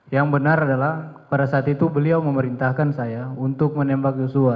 yang benar adalah pada saat itu beliau memerintahkan saya untuk menembak yosua